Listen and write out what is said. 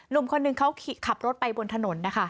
หนุ่มคนหนึ่งเขาขับรถไปบนถนนนะคะ